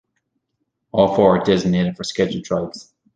All four are designated for scheduled tribes.